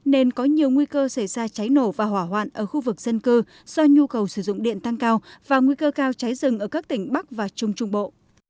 nên có nhiều nguy cơ xảy ra cháy nổ và hỏa hoạn ở khu vực dân cư do nhu cầu sử dụng điện tăng cao và nguy cơ cao cháy rừng ở các tỉnh bắc và trung trung bộ